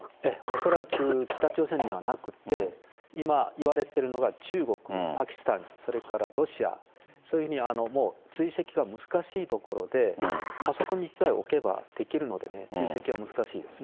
恐らく北朝鮮にはなくって、今いわれているのが中国、パキスタン、それからロシア、そういうふうにもう、追跡が難しい所でパソコン１台置けばできるので、追跡は難しいですね。